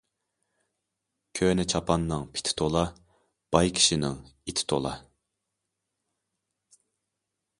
كۆنە چاپاننىڭ پىتى تولا، باي كىشىنىڭ ئىتى تولا.